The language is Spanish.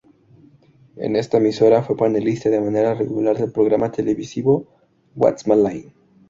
En esta emisora fue panelista de manera regular del programa televisivo "What's My Line?